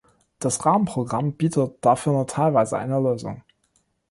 Das Rahmenprogramm bietet dafür nur teilweise eine Lösung.